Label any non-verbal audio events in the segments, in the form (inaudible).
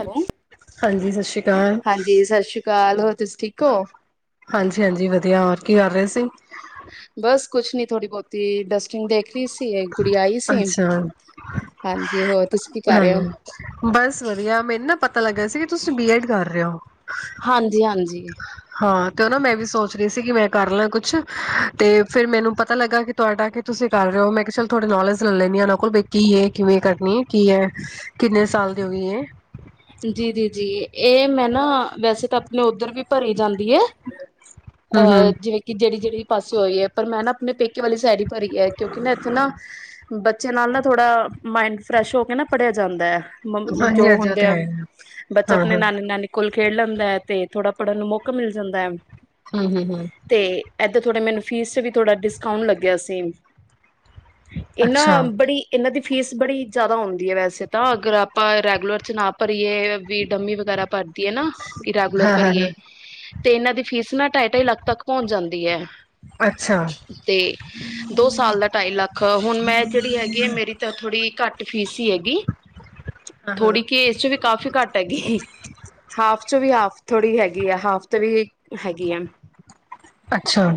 Hello ਹਾਂਜੀ ਸਤ ਸ੍ਰੀ ਅਕਾਲ ਹਾਂਜੀ ਸਤਿ ਸ਼੍ਰੀ ਅਕਾਲ ਹੋਰ ਤੁਸੀਂ ਠੀਕ ਹੋ ਹਾਂਜੀ ਹਾਂਜੀ ਵਧੀਆ ਹੋ ਕੀ ਕਰ ਰਹੇ ਸੀ ਤੇ ਡਸਟਿੰਗ ਦੇਖ ਰਹੀ ਸੀ ਗੁੜੀ ਆਈ ਸੀ ਅੱਛਾ ਹਾਂਜੀ ਹੋਰ ਤੁਸੀਂ ਕੀ ਕਰ ਰਹੇ ਹੋ ਹ ਬਸ ਵਧੀਆ ਮੈਨੂੰ ਨਾ ਪਤਾ ਲੱਗਾ ਸੀ ਕਿ ਤੁਸੀਂ ਬੀਐਡ ਕਰ ਰਹੇ ਹੋ ਹਾਂਜੀ ਹਾਂਜੀ ਹਾਂ ਤੇ ਉਹ ਨਾ ਮੈਂ ਵੀ ਸੋਚ ਰਹੀ ਸੀ ਕਿ ਮੈਂ ਕਰ ਲੈ ਕੁਛ ਤੇ ਫਿਰ ਮੈਨੂੰ ਪਤਾ ਲੱਗਾ ਕਿ ਤੁਹਾਡਾ ਕੀ ਤੁਸੀਂ ਕਰ ਰਹੇ ਹੋ ਮੈਂ ਕਿਹਾ ਚੱਲ ਥੋੜੇ ਨੌਲੇਜ ਲੈ ਲੈਂਣੀ ਹ ਇਹਨਾਂ ਕੋਲ ਬ ਕੀ ਹੈ ਕਿਵੇਂ ਕਰਨੀ ਹੈ ਕੀ ਹੈ ਕਿੰਨੇ ਸਾਲ ਦੀ ਹੋ ਗਈ ਹੈ ਜੀ ਜੀ ਜੀ ਇਹ ਮੈਂ ਨਾ ਵੈਸੇ ਤਾਂ ਆਪਣੇ ਉੱਧਰ ਵੀ ਭਰੀ ਜਾਂਦੀ ਹੈ ਹਮ ਅਹ ਹਮ ਜਿਵੇਂ ਕਿ ਜਿਹੜੀ ਜਿਹੜੀ ਪਾਸੇ ਹੋਈ ਹੈ ਪਰ ਮੈਂ ਨਾ ਆਪਣੇ ਪੇਕੇ ਵਾਲੀ ਸੈਰੀ ਭਰੀ ਹੈ ਕਿਉਂਕਿ ਨਾ ਇੱਥੇ ਨਾ ਬੱਚੇ ਨਾਲ ਨਾ ਥੋੜ੍ਹਾ ਮਾਇੰਡ ਫਰੈਸ਼ ਹੋ ਕੇ ਨਾ ਪੜ੍ਹਿਆ ਜਾਂਦਾ ਹੈ ਹਾਂਜੀ ਜੋ ਹਾਂਜੀ ਉਹ ਹੁੰਦੇ ਤੇ ਆ ਹੈ ਬੱਚ ਹਾਂ ਆਪਣੇ ਹਾਂ ਨਾਨੀ ਨਾਨੀ ਕੋਲ ਖੇਡ ਲੈਂਦਾ ਹੈ ਤੇ ਥੋੜਾ ਪੜ੍ਹਨ ਨੂੰ ਮੌਕਾ ਮਿਲ ਜਾਂਦਾ ਹੈ (unintelligible) ਇੱਦਾਂ ਥੋੜ੍ਹੇ ਮੈਨੂੰ ਫੀਸ 'ਚ ਵੀ ਥੋੜ੍ਹਾ ਡਿਸਕਾਊਂਟ ਲੱਗਿਆ ਸੀ ਅੱਛਾ ਇਹਨਾਂ ਬੜੀ ਇਹਨਾਂ ਦੀ ਫੀਸ ਬੜੀ ਜ਼ਿਆਦਾ ਹੁੰਂਦੀ ਹੈ ਵੈਸੇ ਤਾਂ ਅਗਰ ਆਪਾਂ ਰੈਗੂਲਰ ਚ ਨਾ ਪਰ ਇਹ ਵੀ ਡੰਮੀ ਵਗੈਰਾ ਭਰ ਹੈ ਨਾ ਇਰਾਗਲਰ ਹਾਂ ਪਰ ਹਾਂ ਹਾਂ ਇਹ ਤੇ ਇਹਨਾਂ ਦੀ ਫੀਸ ਨਾ ਢਾਈ ਢਾਈ ਲੱਖ ਤੱਕ ਪਹੁੰਚ ਜਾਂਦੀ ਹੈ ਅੱਛਾ ਤੇ ਦੋ ਸਾਲ ਦਾ ਢਾਈ ਲੱਖ ਹੁਣ ਮੈਂ ਜਿਹੜੀ ਹੈਗੀ ਆ ਮੇਰੀ ਤਾਂ ਥੋੜ੍ਹੀ ਘੱਟ ਫੀਸ ਹੀ ਹੈਗੀ ਹਾਂ ਹਾਂ ਥੋੜੀ ਕਿ ਘੱਟ ਹੈਗੀ ਹਾਫ ਚ ਵੀ ਹਾਫ ਥੋੜੀ ਹੈਗੀ ਆ ਹਾਫ ਤੋਂ ਵੀ ਹੈਗੀ ਆ ਅੱਛਾ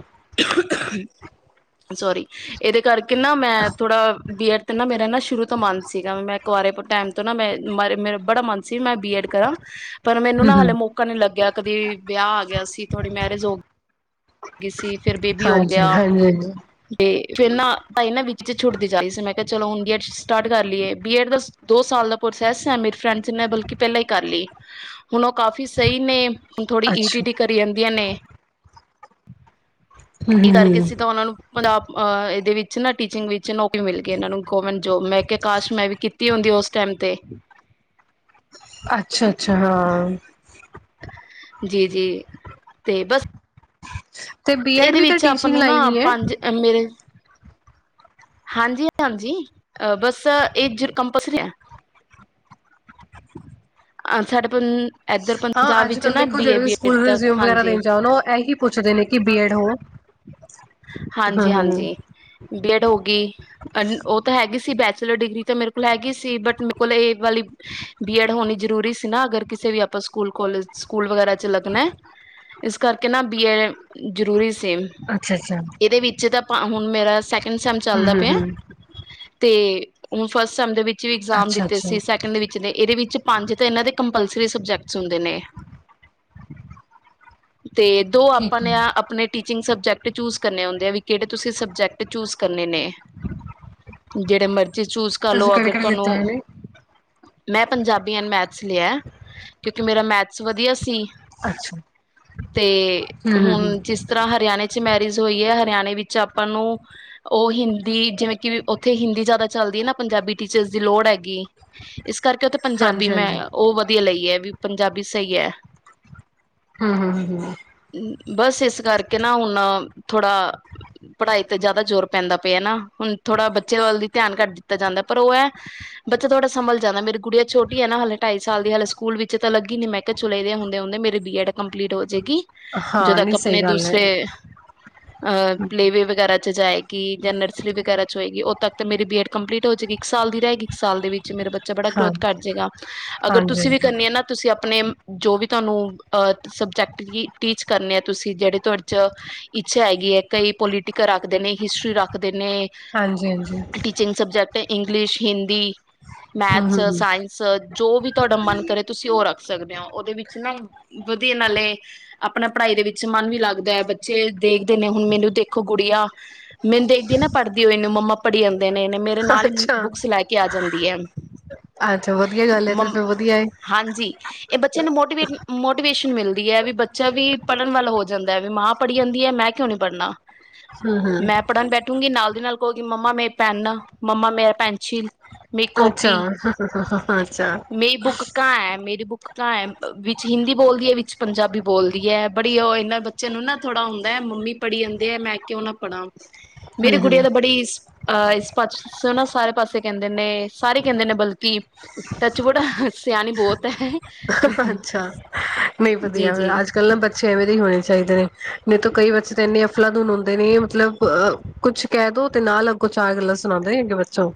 ਸੋਰੀ ਇਹਦੇ ਕਰਕੇ ਕਿਹਿੰਨਾ ਮੈਂ ਥੋੜਾ ਬੀ ਐਡ ਤੇ ਨਾ ਮੇਰਾ ਨਾ ਸ਼ੁਰੂ ਮੰਦ ਸੀਗਾ ਮੈਂਰੇ ਟਾਈਮ ਤੋਂ ਨਾ ਮੈਂ ਮ ਮੇਰੇ ਬੜਾ ਮਨ ਸੀ ਮੈਂ ਬੀਐਡ ਕਰਾਂ ਪਰ ਮੈਨੂੰ ਹਮ ਨਾ ਹਾਲੇ ਹਮ ਮੌਕਾ ਨੀ ਲੱਗਿਆ ਕਦੀ ਵਿਆਹ ਆ ਗਿਆ ਸੀ ਥੋੜ੍ਹੀ ਮੈਰਿਜ ਹੋ ਗਈ ਲੱ ਗਈ ਸੀ ਫਿਰ ਬੇਬੀ ਹੋ ਹਾਂਜੀ ਗਿਆ ਹਾਂਜੀ ਹਾਂਜੀ ਤੇ ਫਿਰ ਨਾ ਤਾਂ ਵਿੱਚ ਛੁੱਟਦੀ ਜਾ ਰਹੀ ਸੀ ਮੈਂ ਕਿਹਾ ਚਲੋ ਹੁ ਬੀਡ ਸਟਾਰਟ ਕਰ ਲਈਏ ਬੀਡ ਦਾ ਦੋ ਸਾਲ ਦਾ ਪ੍ਰੋਸੈਸ ਹੈ ਮੇ ਫਰਡ ਨੇ ਬਲਕਿ ਪਹਿਲਾਂ ਹੀ ਕਰ ਲਈ ਹੁਣ ਉਹ ਕਾਫੀ ਸਹੀ ਨੇ ੁਣ ਥੋੜੀ ਈਟ ਅੱਛਾ ਈ ਕਰੀ ਜਾਂਦੀਆਂ ਨੇ ਹੂੰ ਕੀ ਕਰਕੇ ਹੂੰ ਸੀ ਤਾਂ ਉਹਨਾਂ ਨੂੰ ਪੰਜਾਬ ਅਹ ਇਹਦੇ ਵਿੱਚ ਟੀਚਿੰਗ ਨੌਕਰੀ ਮਿਲ ਗਈ ਇਹਨਾਂ ਨੂੰ ਗਵੌਰਮੈਂਟ ਜੋਬ ਮੈਂ ਕਾਸ਼ ਮੈਂ ਵੀ ਕੀਤੀ ਤੀ ਹੁੰਦੀ ਉਸ ਟਾਈਮ 'ਤੇ ਅੱਛਾ ਅੱਛਾ ਹਾਂ ਜੀ ਜੀ ਤੇ ਬਸ ਤੇ ਬੀਐਡ ਇਹਦੇ ਵੀ ਤਾਂ ਵਿੱਚ ਆਪਾਂ ਟੀਚਿੰਗ ਨੂੰ ਨਾ ਲਾਈਨ ਹੀ ਹੈ ਪੰਜ ਮੇਰੇ ਹਾਂਜੀ ਹਾਂਜੀ ਅਹ ਬਸ ਇਹ ਕੰਪਲਸਰੀ ਆ ਸਾਡੇ ਇੱਧਰ ਹਾਂ ਪੰਜਾਬ ਅੱਜ ਵਿੱਚ ਕੱਲ ਨਾ ਦੇਖ ਬੀਏ ਜਿਹੇ ਵੀ ਬੀਐਡ ਸਕੂਲ ਤੱਕ ਰਿਜ਼ਿਊਮ ਵਗੈਰਾ ਹਾਂਜੀ ਦੇਣ ਜਾਣ ਉਹ ਇਹੀ ਪੁੱਛ ਛ ਦੇ ਨੇ ਕਿ ਬੀ ਐਡ ਹੋ। ਹਾਂ ਹਾਂਜੀ ਹਾਂ ਹਾਂ ਹਾਂਜੀ ਬੀਐਡ ਹੋ ਗਈ। ਉਹ ਤਾਂ ਹੈਗੀ ਸੀ ਬੈਚਲਰ ਡਿਗਰੀ ਤਾਂ ਮੇਰੇ ਕੋਲ ਹੈਗੀ ਸੀ ਬਟ ਮੇਰੇ ਕੋਲ ਇਹ ਵਾਲੀ ਬੀ ਐਡ ਹੋਣੀ ਜ਼ਰੂਰੀ ਸੀ ਨਾ ਅਗਰ ਕਿਸੇ ਵੀ ਆਪਾਂ ਸਕੂਲ ਕੋਲਜ ਸਕੂਲ ਵਗੈਰਾ ' ਲੱਗਣਾ ਇਸ ਕਰਕੇ ਨਾ ਬੀ ਐਡ ਜ਼ਰੂਰੀ ਸੀ। ਅੱਛਾ ਅੱਛਾ ਹੂੰ ਇਹਦੇ ਵਿੱਚ ਤਾਂ ਹੁਣ ਮੇਰਾ ਸ ਮ ਚੱਲਦਾ ਹੂੰ ਪਿਆ ਹੂੰ ਤੇ ਉਹ ਫਸਟਮ ਦੇ ਵਿੱਚ ਵੀ ਇਗਜ਼ਾਮ ਅੱਛਾ ਦਿੱਤੇ ਅੱਛਾ ਸੀ ਸੈਕਿੰਡ ਵਿੱਚ ਨੇ ਇਹਦੇ ਵਿੱਚ ਪੰਜ ਤਾਂ ਇਹਨਾਂ ਦੇ ਕੰਪਲਸਰੀ ਸਬਜੈਕਟਸ ਹੁੰਦੇ ਨੇ ਤੇ ਦੋ ਆਪਾਂ ਠੀਕ ਨੇ ਆ ਹੈ ਆਪਣੇ ਟੀਚ ਟੀਚਿੰਗ ਸਬਜੈਕਟ ਚੂਜ਼ ਕਰਨੇਉੁੰਦੇ ਆ ਵੀ ਕਿਹੜੇ ਤੁਸੀਂ ਸਬਜੈਕਟ ਚੂਜ਼ ਕਰਨੇ ਨੇ ਹ (inaudible) ਜਿਹੜੇ ਮਰਜ਼ ਜੀ ਜੇ ਚੂਜ਼ ਕਰ ਲਓ ਅਗਰ ਲਿੱਤੇ ਹੋਏ ਤੁਹਾਨੂੰ ਨੇ ਮੈਂ ਪੰਜਾਬੀ ਐਨ ਮੈਥਸ ਲਿਆ ਕਿਉਂਕਿ ਮੇਰਾ ਮੈਥਸ ਵਧੀਆ ਸੀ। ਅੱਛਾ ਤੇ ਹੂੰ ਹੂੰ ਹੂੰ ਹੁਣ ਜਿਸ ਤਰ੍ਹਾਂ ਹਰਿਆਣੇ ਚ ਮੈ ਹੋਈ ਹੈ ਹਰਿਆਣੇ ਵਿੱਚ ਆਪਾਂ ਨੂੰ ਉਹ ਹਿੰਦੀ ਜਿਵੇਂ ਕਿ ਉੱਥੇ ਹਿੰਦੀ ਜਿਆਦਾ ਚਲਦੀ ਹੈ ਨਾ ਪੰਜਾਬੀ ਟੀਚਰ ਦੀ ਲੋੜ ਹੈਗੀ। ਇਸ ਕਰਕੇ ਉੱਥੇ ਪੰਜਾਬੀ ਹਾਂਜੀ ਮੈਂ ਹਾਂਜੀ ਉਹ ਵਧੀਆ ਲਈ ਹੈ। ਵੀ ਪੰਜਾਬੀ ਸਹੀ ਹੈ। (unintelligible) ਬਸ ਇਸ ਕਰਕੇ ਨਾ ਹੁਣ ਥੋੜਾ, ਪੜ੍ਹਾਈ ਤੇ ਜ਼ਿਆਦਾ ਜ਼ੋਰ ਪੈਂਦਾ ਪਿਆ ਨਾ, ਹੁਣ ਥੋੜਾ ਬੱਚੇ ਵੱਲ ਦੀ ਧਿਆਨ ਕੱਟ ਦਿੱਤਾ ਜਾਂਦਾ। ਪਰ ਉਹ ਹੈ, ਬੱਚਾ ਥੋੜਾ ਸੰਭਲ ਜਾਂਦਾ ਮੇਰੀ ਕੁੜਆ ਛੋਟੀ ਹੈ ਨਾ ਹਾਲੇ ਢਾਈ ਸਾਲ ਦੀ ਹਾਲੇ ਸਕੂਲ ਵਿੱਚ ਤਾਂ ਲੱਗੀ ਨੀ ਮੈਂ ਕਿਹਾ ਚਲੇ ਹੁੰਦੇ ਹੁੰਦੇ ਮੇਰੀ ਬੀ ਐਡ ਕੰਪਲੀਟ ਹੋਜੇਗੀ। ਹਾਂ ਜਦੋਂ ਨਹੀਂ ਤੱਕ ਸਹੀ ਆਪਣੇ ਗੱਲ ਹੈ ਦੂਸਰੇ ਪਲੇ ਵੇ ਵਗੈਰਾ ਜਾਏਗੀ ਜਾਂ ਨਰਸਰੀ ਵਗੈਰਾ 'ਚ ਹੋਏਗੀ ਉਦੋਂ ਤੱਕ ਤਾਂ ਮੇਰੀ ਬੀ ਐਡ ਕੰਪਲੀਟ ਹੋਜੇਗੀ ਇੱਕ ਸਾਲ ਦੀ ਰਹਿਗੀ ਇੱਕ ਸਾਲ ਦੇ ਵਿੱਚ ਮੇਰੇ ਬੱਚੇ ਬੜਾ ਹਾਂ ਗਰੋਥ ਕਰ ਜੇਗਾ। ਅਗਰ ਹਾਂਜੀ ਤੁਸੀਂ ਵੀ ਹਾਂਜੀ ਕਰਨੀ ਆ ਨਾ ਤੁਸੀਂ ਆਪਣੇ ਜੋ ਵੀ ਤੁਹਾਨੂੰ ਸਬਜੈਕਟ ਕੀ ਟੀਚ ਕਰਨੇ ਆ ਤੁਸੀਂ ਜਿਹੜੇ ਤੁਹਾਡੇ ', ਇੱਛਾ ਹੈਗੀ ਏ ਕਈ ਪੋਲੀਟੀਕਲ ਰੱਖਦੇ ਨੇ ਹਿਸਟਰੀ ਰੱਖਦੇ ਨੇ, ਹਾਂਜੀ ਹਾਂਜੀ ਟੀਚਿੰਗ ਸਬਜੈਕਟ ਕਈ ਇੰਗਲਿਸ਼, ਹਿੰਦੀ ਹੂੰ ਹੂੰ ਮੈਥਸ, ਹੂੰ ਸਾਇੰਸ ਜੋ ਵੀ ਤੁਹਾਡਾ ਮਨ ਕਰੇ ਤੁਸੀਂ ਉਹ ਰੱਖ ਸਕਦੇ ਹੋ। ਉਹਦੇ ਵਿੱਚ ਨਾ ਵਧੀਆ ਨਾਲੇ, ਆਪਣਾ ਪੜ੍ਹਾਈ ਦੇ ਵਿੱਚ ਮਨ ਵੀ ਲੱਗਦਾ ਹੈ ਬੱਚੇ ਦੇਖਦੇ ਨੇ ਹੁਣ ਮੈਨੂੰ ਦੇਖੋ ਗੁਡੀਆ, ਮੈਨੂੰ ਦੇਖਦੀ ਨਾ ਪੜ੍ਹਦੀ ਹੋਈ ਨੂੰ ਮੰਮਾ ਪੜ੍ਹੀ ਜਾਂਦੇ ਨੇ ਮੇਰੇ ਨਾਲ ਹੀ, ਅੱਛਾ ਬੁੱਕਸ ਲੈ ਕੇ ਆ ਜਾਂ ਦੀ ਹੈ। ਅੱਛਾ ਵਧੀਆ ਗੱਲ ਏ ਫਿਰ ਮੰ ਤੇ ਵਧੀਆ ਏ। ਹਾਂਜੀ ਇਹ ਬੱਚਿਆਂ ਨੂੰ ਮੋਟੀਵੇਟ ਮੋਟੀਵੇਸ਼ਨ ਮਿਲਦੀ ਹੈ ਵੀ ਬੱਚਾ ਵੀ ਪੜ੍ਹਨ ਵੱਲ ਹੋ ਜਾਂਦਾ ਵੀ ਮਾਂ ਪੜ੍ਹੀ ਜਾਂਦੀ ਹੈ ਮੈਂ ਕਿਉਂ ਨੀ ਪੜ੍ਹਨਾ। ਹੂੰ ਹੂੰ ਮੈਂ ਪੜ੍ਹਨ ਬੈਠੂਗੀ ਨਾਲ ਉਹਦੇ ਨਾਲ ਕੋ ਗੀ ਮੰਮਾ ਮੇਰੀ ਪੈਨ, ਮੰਮਾ ਮੇਰਾ ਪੈਨਸਿਲ। ਮੇਰੀ ਅੱਛਾ, ਕਾਪੀ ਅੱਛਾ ਕਹਾਂ ਹੈ ਵੀ ਹਿੰਦੀ ਬੋਲਦੀ ਏ ਵਿੱਚ ਪੰਜਾਬੀ ਬੋਲਦੀ ਏ ਬੜੀ ਉਹ ਇਹਨਾਂ ਬੱਚਿਆਂ ਨੂੰ ਨਾ ਥੋੜ੍ਹਾ ਹੁੰਦਾ ਮੰਮੀ ਪੜ੍ਹੀ ਜਾਂਦੇ ਹੈ ਮੈਂ ਕਿਉਂ ਨਾ ਪੜ੍ਹਾਂ। ਮੇਰੇ ਹੂੰ-ਹੂੰ, ਗੁਡੀਆਂ ਤਾਂ ਬੜੀ ਹਾਂ ਇਸ ਪਾਸੀਓ ਨਾ ਸਾਰੇ ਪਾਸੇ ਕਹਿੰਦੇ ਨੇ ਸਾਰੇ ਕਹਿੰਦੇ ਨੇ ਬਲਕਿ, ਟੱਚਵੁਡ ਸਿਆਣੀ ਬਹੁਤ ਹੈ। ਅੱਛਾ ਅੱਛਾ ਨਹੀਂ ਜੀ ਵਧੀਆ ਫਿਰ ਜੀ ਅੱਜ-ਕੱਲ੍ਹ ਨਾ ਬੱਚੇ ਐਵੇਂ ਦੇ ਹੀ ਹੋਣੇ ਚਾਹੀਦੇ ਨੇ। ਨਹੀਂ ਤਾਂ ਕਈ ਬੱਚੇ ਤਾਂ ਇੰਨੇ ਅਫਲਾਦੂਨ ਹੁੰਦੇ ਨੇ ਮਤਲਬਹ ਕੁੱਛ ਕਹਿ ਦੋ ਤੇ ਨਾਲ ਅੱਗੋਂ ਚਾਰ ਗੱਲਾਂ ਸੁਣਾਉਂਦੇ ਅੱਗੇ ਬੱਚੋਂ।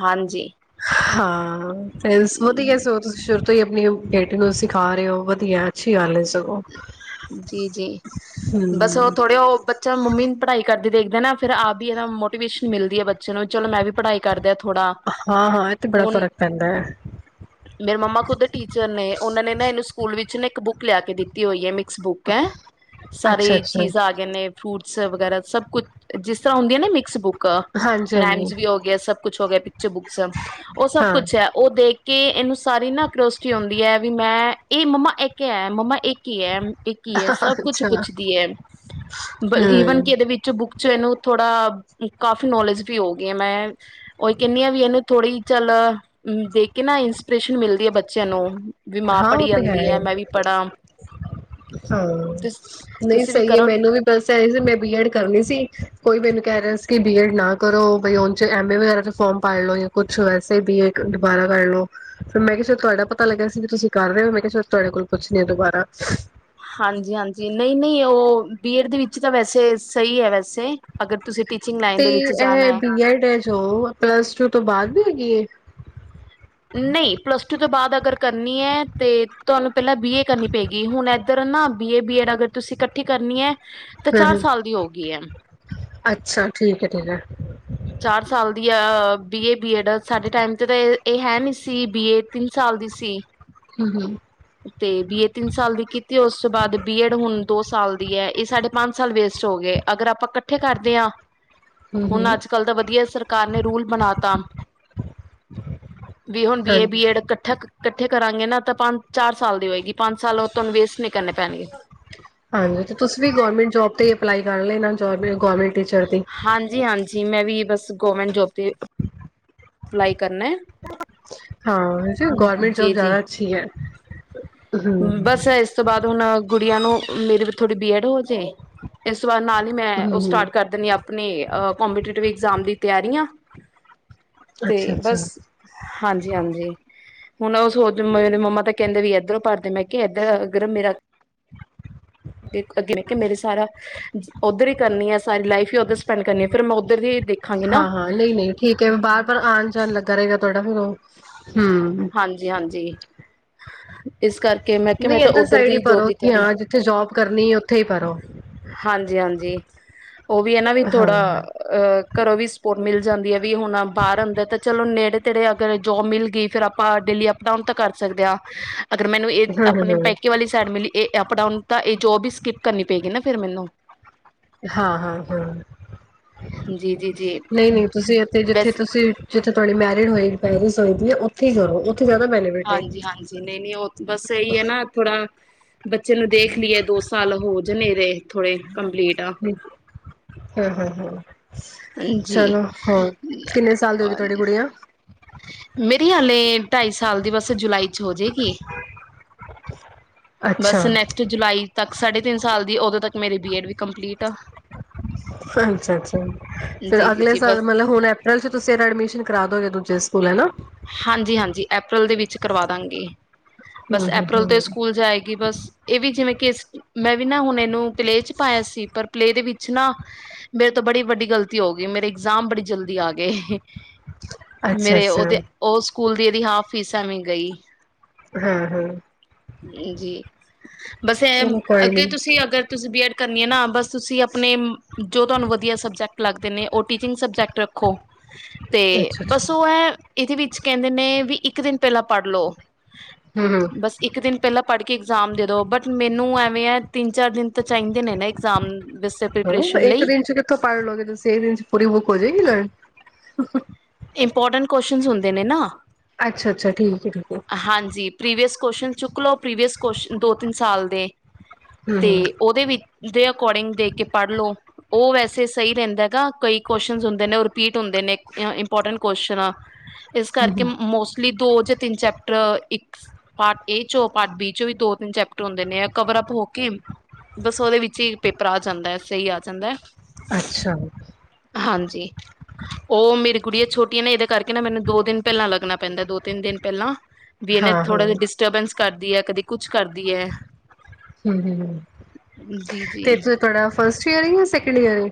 ਹਾਂਜੀ ਹਾਂ (unintelligible) ਵਧੀਆ ਸਗੋਂ ਤੁਸੀਂ ਸ਼ੁਰੂ ਤੋਂ ਹੀ ਬੇਟੀ ਨੂੰ ਸਿਖਾ ਰਹੇ ਹੋ ਵਧੀਆ ਅੱਛੀ ਗੱਲ ਹੈ ਜੀ। (unintelligible) ਜੀ-ਜੀ ਬਸ ਉਹ ਥੋੜੇ ਉਹ ਬੱਚਾ ਮੰਮੀ ਨੂੰ ਪੜ੍ਹਾਈ ਕਰਦੇ ਦੇਖਦੇ ਨਾ ਫਿਰ ਆਪ ਵੀ ਇਹਦਾ ਮੋਟੀਵੇਸ਼ਨ ਮਿਲਦੀ ਹੈ ਬੱਚੇ ਨੂੰ ਚਲੋ ਮੈਂ ਵੀ ਪੜ੍ਹਾਈ ਕਰਦਾ ਥੋੜ੍ਹਾ। ਹਾਂ ਹਾਂ ਇਹ ਤੇ ਬੜਾ ਫ਼ਰਕ ਪੈਂਦਾ ਹੈ। ਮੇਰੇ ਮੰਮਾ ਖੁਦ ਟੀਚਰ ਨੇ ਉਹਨਾਂ ਨੇ ਨਾ ਇਹਨੂੰ ਸਕੂਲ ਵਿੱਚ ਨਾ ਇੱਕ ਬੁੱਕ ਲਿਆ ਕੇ ਦਿੱਤੀ ਦੀ ਹੋ ਇਹ ਮਿਕਸ ਬੁੱਕ ਹੈ। ਸਾਰੇ ਅੱਛਾ-ਅੱਛਾ, ਚੀਜ਼ ਆ ਗਏ ਨੇ ਫਰੂਟ ਸਰ ਵਗੈਰਾ ਸਭ ਕੁਝ ਜਿਸ ਤਰਾਂ ਹੁੰਦੀਆਂ ਨਾ ਮਿਕਸ ਬੁਕ ਹਾਂਜੀ-ਹਾਂਜੀ, ਰੈਮਸ ਵੀ ਹੋ ਗਿਆ ਸਭ ਕੁਛ ਹੋ ਗਿਆ ਉੇ ਬੁੱਕਸ ਉਹ ਸਭ ਹਾਂ ਕੁਛ ਹੈ ਉਹ ਦੇਖ ਕਿ ਇਹਨੂੰ ਸਾਰੀ ਨਾਰੋਸ਼ਟੀ ਆਉਂਦੀ ਹੈ ਵੀ ਮੈਂ ਇਹ ਮੰਮਾ ਇੱਕ ਹੈ ਮੰਮਾ ਇੱਕ ਕੀ ਹੈ ਇਕ ਹੀ ਐਸਾ ਕੁਝ ਅੱਛਾ, ਪੁੱਛਦੀ ਹੂੰ। ਹਦੇ ਵਿਚ ਚਲੋ ਥੋੜਾ ਕਾਫੀ ਨੌਲੇਜ ਵੀ ਹੋ ਗਈ ਆ ਮੈਂ ਉਹੀ ਕਹਿੰਦੀ ਆ ਵੀ ਇਹਨੂੰ ਥੋੜੀ ਚਲ ਦੇਖ ਕੇ ਨਾ ਇੰਸਪੀਰੇਸ਼ਨ ਮਿਲਦੀ ਆ ਬੱਚਿਆਂ ਨੂੰ ਵੀ ਮਾਂ ਹਾਂ ਉਹ ਪੜ੍ਹੀ ਤੇ ਜਾਂਦੀ ਹੈ ਈ। ਮੈਂ ਵੀ ਪੜ੍ਹਾ ਹਾਂ ਨਹੀਂ ਤੁਸੀਂ ਵੀ ਸਹੀ ਹੈ ਕਰੋ ਮੈਨੂੰ ਵੀ ਬੱਸ ਆ ਸੀ ਮੈਂ ਬੀਐਡ ਕਰਨੀ ਸੀ ਕੋਈ ਮੈਨੂੰ ਕਹਿ ਰਿਹਾ ਸੀ ਕਿ ਬੀ ਏਡ ਨਾ ਕਰੋ ਬਮ ਏ ਵਗੈਰਾ ਫਾਰਮ ਪਾ ਲੋਓ ਜਾਂ ਕੁਛ ਵਸੇ ਬੀਏ ਦੁਬਾਰਾ ਕਰ ਲ ਲੋ ਫਿਰ ਮੈਂ ਕਿਹਾ ਤੁਹਾਡਾ ਪਤਾ ਲੱਗਿਆ ਸੀ ਤੁਸੀਂ ਕਰ ਰਹੇ ਹੋ ਮੈਂ ਕਿਹਾ ਤੁਹਾਡ ਕੋਲ ਕੁੱਛ ਨ ਦੁਬਾਰਾ ਹਾਂਜੀ ਹਾਂਜੀ ਨਹੀਂ ਨਹੀਂ ਉਹ ਬੀਏਡ ਦੇ ਵਿੱਚ ਤਾਂ ਵੈਸੇ ਸਹੀ ਹੈ ਵੈਸੇ ਅਗਰ ਤੁਸੀਂ ਟੀਚਿੰਗ ਲਾਈਨ ਤੇ ਦੇ ਵਿੱਚ ਇਹ ਜਾਣਾ ਹੈ ਬੀ ਐਡ ਹੈ ਜੋ ਪਲੱਸ ਟੂ ਤੋਂ ਬਾਅਦ ਵੀ ਹੈਗੀ ਹੈ ਨਹੀਂ ਪਲੱਸ ਟੂ ਤੋਂ ਬਾਅਦ ਅਗਰ ਕਰਨੀ ਹੈ ਤੇ ਤੁਹਾਨੂੰ ਪਹਿਲਾਂ ਬੀ ਏ ਕਰਨੀ ਪਏਗੀ ਹੁਣ ਇਧਰ ਨਾ ਬੀ ਏ ਬੀਐਡ ਅਗਰ ਤੁਸੀਂ ਇਕੱਠੀ ਕਰਨੀ ਹੈ ਤਾਂ ਹਮ ਚਾਰ ਹਮ ਸਾਲ ਦੀ ਹੋ ਗਈ ਹੈ ਅੱਛਾ ਠੀਕ ਹੈ ਠੀਕ ਹੈ ਚਾਰ ਸਾਲ ਦੀ ਆ ਬੀ ਏ ਬੀਏਡ ਸਾਡੇ ਟਾਈਮ ' ਤਾਂ ਇਹ ਇਹ ਹੈ ਨਹੀਂ ਸੀ ਬੀ ਏ ਤਿੰਨ ਸਾਲ ਦੀ ਸੀ ਹਮ ਹਮ ਤੇ ਬੀ ਏ ਤਿੰਨ ਸਾਲ ਦੀ ਕੀਤੀ ਉਸ ਤੋਂ ਬਾਅਦ ਬੀਐਡ ਹੁਣ ਦੋ ਸਾਲ ਦੀ ਹੈ ਇਹ ਸਾਡੇ ਪੰਜ ਸਾਲ ਵੇਸਟ ਹੋ ਗਏ ਅਗਰ ਆਪਾਂ ਇਕੱਠੇ ਕਰਦੇ ਹਾਂ ਹੂੰ ਹੁਣ ਹੂੰ ਅੱਜ ਕੱਲ੍ਹ ਦਾ ਵਧੀਆ ਸਰਕਾਰ ਨੇ ਰੂਲ ਬਣਾ ਤ ਹ ਵੀ ਹੁਣ ਬੀ ਏ ਹਾਂਜੀ ਬੀ ਏਡ ਇਕੱਠ ਇਕੱਠੇ ਕਰਾਂਗੇ ਨਾ ਤਾਂ ਪੰਜ ਚਾਰ ਸਾਲ ਦੀ ਹੋਏਗੀ ਪੰਜ ਸਾਲ ਉਹ ਤੁਹਾਨੂੰ ਵੇਸਟ ਨਹੀਂ ਕਰਨੇ ਪੈਣਗੇ ਹਾਂਜੀ ਤੇ ਤੁਸੀਂ ਵੀ ਗਰਮੈਂਟ ਜੋਬ ਤੇ ਅਪਲਾਈ ਕਰ ਲ ਇਹ ਜੋਬ ਗਰਮੈਟ ਹਾਂਜੀ ਹਾਂਜੀ ਜ ਮੈਂ ਵੀ ਬਸ ਗੋਮੈਂਟ ਜੋਤੀ ਅਪਲਾਈ ਕਰਨਾ ਹਾਂ ਗਵਰਮੈਂਟ ਜੌਬ ਜੀ ਜ਼ਿਆਦਾ ਜੀ ਅੱਛੀ ਹੈ ਹੂੰ ਬਸ ਇਸ ਤੋਂ ਬਾਅਦ ਹੁਣ ਗੁੜੀਆਂ ਨੂੰ ਮੇਰੇ ਥੋੜ੍ਹੀ ਐਡ ਹੋ ਇਸ ਤੋਂ ਬਾਅਦ ਨਾਲ ਹੀ ਮੈਂ ਹੂੰ ਉਹ ਹੂੰ ਸਟਾਰਟ ਕਰ ਦਿੰਦੀ ਆਪਣੀ ਕਪੀਟਿਵਗਜ਼ਾਮ ਦੀ ਤਿਆਰੀਆਂ ਤੇ ਅੱਛਾ ਅੱਛਾ ਬਸ ਹਾਂਜੀ ਹਾਂਜੀ ਹੁਣ ਉਹ ਸੋਚ ਮੇਰੇ ਮੰਮਾ ਤਾਂ ਕਹਿੰਦੇ ਵੀ ਏਧਰੋਂ ਭਰ ਮੈਂ ਕਿਹਾ ਇੱਧਰ ਅਗਰ ਮੇਰਾ ਤੇ ਅੱਗੇ ਮੈਂ ਕਿਹਾ ਮੇਰਾ ਸਾਰਾ ਉੱਧਰ ਹੀ ਕਰਨੀ ਆ ਸਾਰੀ ਲਾਈਫ ਹੀ ਉੱਧਰ ਸਪੈਂਡ ਕਰਨੀ ਹੈ ਫੇਰ ਮੈਂ ਉੱਧਰ ਦੀ ਦੇਖਾਂਗੀ ਨਾ ਹਾਂ-ਹਾਂ ਨਹੀਂ ਨਹੀਂ ਠੀਕ ਐ ਬਾਰ-ਬਾਰ ਆਣ-ਜਾਣ ਲੱਗਾ ਰਏਗਾ (unintelligible) ਹਾਂਜੀ-ਹਾਂਜੀ। ਇਸ ਕਰਕੇ ਮੈਂ ਕਿਆ ਮੈਂ ਨਹੀਂ ਤਾਂ ਇੱਧਰ ਉੱਧਰ ਸਾਈਡ ਹੀ ਦੀ ਜੋਬ ਭਰੋ ਦੀ ਕਿ ਤਿਆਰੀ ਹਾਂ ਜਿੱਥੇ ਜੋਬ ਕਰਨੀ ਉੱਥੇ ਹੀ ਭਰੋ ਹਾਂਜੀ-ਹਾਂਜੀ ਓ ਵੀ ਐ ਨਾ ਵੀ ਹਾਂ ਥੋੜਾ ਹੂੰ ਅਹ ਘਰੋਂ ਵੀ ਸਪੋਰਟ ਮਿਲ ਜਾਂਦੀ ਐ ਵੀ ਹੁਣ ਬਾਹਰ ਅੰਦਰ ਤਾਂ ਚਲੋ ਨੇੜੇ ਤੇੜੇ ਅਗਰ ਜੋਬ ਮਿਲ ਗਈ ਫਿਰ ਆਪ ਪਾਂ ਡੇਲੀ ਅਪਡਾਊਨ ਤਾਂ ਕਰ (unintelligible) ਅਗਰ ਮੈਨੂੰ ਏ ਹੂੰ ਆਪਣੇ ਹੂੰ ਪੇਕੇ ਵਾਲੀ ਸਾਈਡ ਮਿਲੀ ਏ ਅਪਡਾਊਨ ਤਾਂ ਏ ਜੋਬ ਹੀ ਸਕਿਪ ਕਰਨੀ ਪਏਗੀ ਨਾ ਫਿਰ ਮੈਨੂੰ ਹਾਂ-ਹਾਂ-ਹਾਂ ਜੀ-ਜੀ-ਜੀ ਨਹੀਂ ਨਹੀਂ ਤੁਸੀਂ ਉੱਥੇ ਜਿੱਥੇ ਬਸ ਤੁਸੀਂ ਜਿੱਥੇ ਤੁਹਾਡੀ ਮੈ (unintelligible) ਪੈਰਿਸ ਹੋਈ ਦੀ ਏ ਉੱਥੇ ਹੀ ਜਾਓ ਹਾਂਜੀ-ਹਾਂਜੀ ਨਹੀਂ ਨਹੀਂ ਉਹ ਬਸ ਇਹੀ ਐ ਨਾ ਥੋੜਾ ਬੱਚੇ ਨੂੰ ਦੇਖ ਲਈਏ ਦੋ ਸਾਲ ਹੋ (unintelligible) ਥੋੜੇ ਕੰਪਲੀਟ ਹੂੰ ਹ-ਹ-ਹ ਹਾਂਜੀ ਕਿੰਨੇ ਸਾਲ ਦੀ ਹੋ ਗਈ ਤੁਹਾਡੀ ਗੁੜੀਆ (unintelligible) ਹਾਲੇ ਢਾਈ ਸਾਲ ਦੀ ਬਸ ਜੁਲਾਈ ਚ ਹੋਜੇਗੀ ਬਸ ਅੱਛਾ ਨੈਕਸਟ ਜੁਲਾਈ ਤੱਕ ਸਾਢੇ ਤਿੰਨ ਸਾਲ ਦੀ ਉਦੋਂ ਤੱਕ ਮੇਰੀ ਬੀਏਡ ਵੀ ਕੰਮ ਅੱਛਾ-ਅੱਛਾ ਫੇਰ ਜੀ ਜੀ ਅਗਲੇ ਜੀ ਬਸ ਸਾਲ ਮਤਲਬ ਹੁਣ ਅਪ੍ਰੈਲ ਚ ਤੁਸੀਂ ਏਦਾ ਐਡਮਿਸ਼ਨ ਕਰਦੋਗੇ ਦੂਜੇ ਸਕੂਲ ਹੈ ਨਾ ਹਾਂਜੀ-ਹਾਂਜੀ ਅਪ੍ਰੈਲ ਦੇ ਵਿੱਚ ਚ ਕਰਵਾ ਦਾਂਗੇ। ਹੂੰ ਬਸ ਹੂੰ ਅਪ੍ਰੈਲ ਤੋਂ ਏ ਹੂੰ ਸਕੂਲ ਜਾਏਗੀ ਬਸ ਏ ਵੀ ਜਿਵੇਂ ਕਿ ਮੈਂ ਵੀ ਨਾ ਹੁਣ ਇਹਨੂੰ ਪਲੇਅ ਚ ਪਾਇਆ ਸੀ ਪਰ ਪਲੇਅ ਦੇ ਵਿੱਚ ਨਾ ਮੇਰੇ ਤੋਂ ਬੜੀ ਵੱਡੀ ਗ਼ਲਤੀ ਹੋ ਗਈ ਮੇਰੇ ਇਗਜ਼ਾਮ ਬੜੀ ਜਲਦੀ ਆ ਗਏ ਮੇਰੇ ਅੱਛਾ-ਅੱਛਾ। ਉਹਦੇ ਉਹ ਸਕੂਲ ਦੀ ਏਦੀ ਹਾਫ ਫੀਸ ਐਵੇਂ ਗਈ ਹਾਂ-ਹਾਂ ਜੀ ਬਸ ਚਲੋ (unintelligible) ਕੋਈ ਨੀ ਅੱਗੇ ਤੁਸੀਂ ਅਗਰ ਤੁਸੀਂ ਬੀ ਐਡ ਕਰਨੀਆ ਨਾ ਬਸ ਤੁਸੀਂ ਆਪਣੇ ਜੋ ਤੁਹਾਨੂੰ ਵਧੀਆ ਸਬਜੈਕਟਸ ਲੱਗਦੇ ਨੇ ਉਹ ਟੀਚਿੰਗ ਸਬਜੈਕਟ ਰੱਖੋ ਤੇ ਅੱਛਾ ਅੱਛਾ ਬਸ ਉਹ ਹੈ ਇਹਦੇ ਵਿੱਚ ਕਹਿੰਦੇ ਨੇ ਵੀ ਇੱਕ ਦਿਨ ਪਹਿਲਾਂ ਪੜ੍ਹ ਲਓ ਹੂੰ ਹੂੰ ਬਸ ਇੱਕ ਦਿਨ ਪਹਿਲਾਂ ਪੜ੍ਹ ਕੇ ਇਗਜ਼ਾਮ ਦੇ ਦੋ ਬਟ ਮੈਨੂੰ ਐਵੇਂ ਹੈ ਤਿੰਨ ਚਾਰ ਦਿਨ ਤਾਂ ਚਾਹੀਦੇ ਨੇ ਨਾ ਇਗਜ਼ਾਮ ਵੈਸੇ ਹਾਂ ਪ੍ਰੀਪਰੇਸ਼ਨ ਇੱਕ ਲਈ ਦਿਨ ਚ ਕਿੱਥੋਂ ਪੜ੍ਹ ਲੋਗੇ ਤੁਸੀਂ ਇੱਕ ਦਿਨ ਚ ਪੂਰੀ ਬੁੱਕ ਹੋ ਜਾਏਗੀ ਲ੍ਰਨ ਇੰਪੋਰਟੈਂਟ ਕੁਅਸ਼ਨ ਹੁੰਦੇ ਨੇ ਨਾ ਅੱਛਾ ਅੱਛਾ ਠੀਕ ਠੀਕ ਹੈ ਹਾਂਜੀ ਪ੍ਰੀਵੀਅਸ ਕੋਸ਼ਨ ਚੁੱਕ ਲੋ ਪ੍ਰੀਵੀਅਸ ਕੁਸ਼ਨ ਦੋ ਤਿੰਨ ਸਾਲ ਦੇ ਤੇ ਹੂੰ ਉਹਦੇ ਵਿੱਚ ਦੇ ਅਕੋਰਡਿੰਗ ਦੇਖ ਕੇ ਪੜ੍ਹ ਲੋ ਉਹ ਵੈਸੇ ਸਹੀ ਰਹਿੰਦਾ ਹੈ ਗ ਕਈ ਕੁਸਚਨ ਹੁੰਦੇ ਨੇ ਉਹ ਰਿਪੀਟ ਹੁੰਦੇ ਨੇ ਇੰਪੋਰਟੈਂਟ ਕੁਸ਼ਨਾ ਇਸ ਕਰਕੇ ਹੂੰ ਮੋਸਟਲੀ ਦੋ ਜਾਂ ਤਿੰਨ ਚੈਪ ਚ ਪਾਰਟ ਏ ਚ ਪਾਰਟ ਬੀ ਚ ਵੀ ਦੋ ਤਿੰਨ ਚੈਪਟਰ ਹੁੰਦੇ ਨੇ ਕਵਰ ਅ ਹੋ ਕੇ ਬਸ ਓਦੇ ਵਿਚ ਹੀ ਪੇਪਰ ਆ ਜਾਂਦਾ ਹੈ ਸਹੀ ਆ ਜਾਂਦਾ ਅੱਛਾ ਹਾਂਜੀ ਉਹ ਮੇਰੀ ਕੁੜੀ ਛੋਟੀ ਏ ਇਹਦੇ ਕਰਕੇ ਨਾ ਮੈਨੂੰ ਦੋ ਦਿਨ ਪਹਿਲਾਂ ਲੱਗਣਾ ਪੈਂਦਾ ਦੋ ਤਿੰਨ ਦਿਨ ਪਹਿਲਾਂ ਬੀ ਐਨੇ ਹਾਂ ਥੋੜਾ ਹਾਂ ਜਿਆ ਡਿਸਟਰਬੈਂਸ ਕਰਦੀ ਹੈ ਕਦੇ ਕੁਛ ਕਰਦੀ ਹੈ ਹਮ ਹਮ ਜੀ ਤੇ ਜੀ ਤੁਹਾਡਾ ਫਸਟ ਈਅਰ ਜਾ ਸੈਕ ਕਲੀਅਰ (inaudible)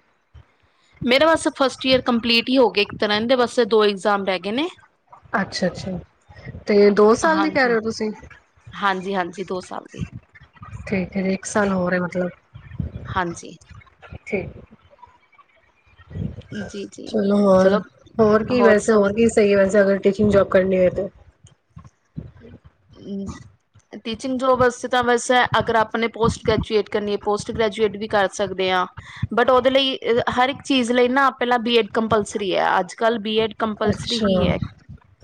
ਮੇਰਾ ਵਸ ਫਸਟ ਈਅਰ ਕੰਪਲੀਟ ਹੀ ਹੋ ਗੇ ਇੱਕ ਤਰਦੇ ਵਸ ਦੋ ਇਗਜ਼ਾਮ ਰਹਿ ਗ ਨੇ ਅੱਛਾ ਅੱਛਾ ਤੇ ਦੋ ਸਾਲ ਦੀ ਕਹਿ ਰਹੇ ਹਾਂਜੀ ਹੋ ਤੁਸੀਂ ਹਾਂਜੀ ਹਾਂਜੀ ਦੋ ਸਾਲ ਦੀ ਠੀਕ ਹੈ ਜੀ ਇੱਕ ਸਾਲ ਹੋਰ ਐ ਮਤਲਬ ਹਾਂਜੀ ਠੀਕ ਜੀ ਜੀ ਚਲੋ ਹੋਰ ਹੋਰ ਕੀ ਵੈਸੇ ਹੋਰ ਕੀ ਸਹੀ ਵੈਸੇ ਅਗਰ ਟੀਚਿੰਗ ਜੌਬ ਕਰਨੀ ਹੈ ਤੇ ਟੀਚਿੰਗ ਜੋਬ ਵਾਸਤੇ ਤਾਂ ਵੈਸ ਅਗਰ ਆਪਣੇ ਪੋਸਟ ਗ੍ਰੈਜੂਏਟ ਕਰਨੀ ਪੋਸਟ ਗ੍ਰੈਜੂਏਟ ਵੀ ਕਰ ਸਕਦੇ ਹਾਂ ਬਟ ਉਹਦੇ ਲਈ ਹਰ ਇੱਕ ਚੀਜ਼ ਲਈ ਨਾ ਪਹਿਲਾਂ ਬੀਐਡ ਕੰਪਲਸਰੀ ਹੈ ਅੱਜ ਕੱਲ੍ਹ ਬੀਐਡ ਕੰਪਲਸਰੀ ਅੱਛਾ ਹੀ ਹੈ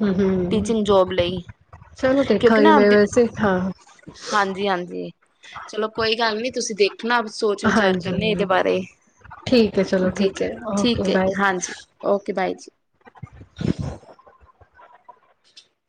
ਹੂੰ ਹੂੰ ਟੀਚਿੰਗ ਜੋਬ ਲਈ ਚਲੋ ਕਿਉਂਕਿ ਦੇਖਾਂਗੀ ਨਾ ਮੈਂ ਵੈਸੇ ਹਾਂ ਜੀ ਚਲੋ ਕੋਈ ਗੱਲ ਨੀ ਤੁਸੀਂ ਦੇਖ ਆਪਣਾ ਸੋਚ ਵਿਚਾਰ ਕਰਨੇ ਹਾਂਜੀ ਇਹਦੇ ਬਾਰੇ ਠੀਕ ਹੈ ਚਲੋ ਜੀ ਠੀਕ ਜੀ ਹੈ ਠੀਕ ਓਕੇ ਹੈ ਜੀ ਬਾਏ ਹਾਂਜੀ ਓਕੇ ਬਾਈ ਜੀ ਹਮ (inaudible)